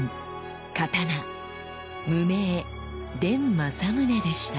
「刀無銘伝正宗」でした。